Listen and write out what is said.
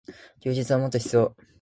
休日はもっと必要。